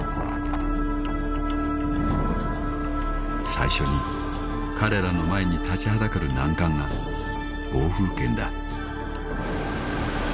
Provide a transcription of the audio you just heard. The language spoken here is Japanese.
［最初に彼らの前に立ちはだかる難関が暴風圏だ］